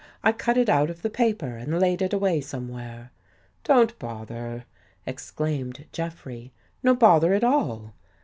I cut it out of the paper and laid it away somewhere." " Don't bother! " exclaimed Jeffrey. " No bother at all."